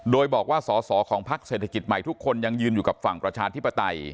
โดยบอกว่าสอสอของพักเศรษฐกิจใหม่ทุกคนยังยืนอยู่กับฝั่งประชาธิปไตย